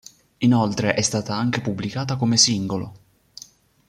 Inoltre è stata anche pubblicata come singolo.